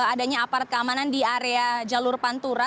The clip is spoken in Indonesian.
adanya aparat keamanan di area jalur pantura